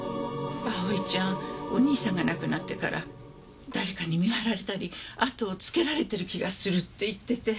蒼ちゃんお兄さんが亡くなってから誰かに見張られたり後をつけられてる気がするって言ってて。